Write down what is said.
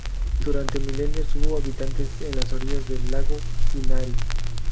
Durante milenios hubo habitantes en las orillas del lago Inari.